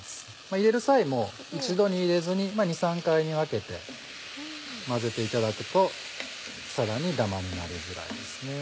入れる際も一度に入れずに２３回に分けて混ぜていただくとさらにダマになりづらいですね。